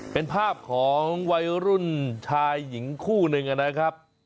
เป็นภาพของวัยรุ่นชายหญิงคู่หนึ่งนะครับ